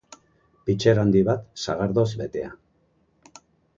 Pitxer handi bat sagardoz betea.